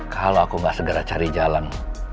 kalau aku gak segera cari jalan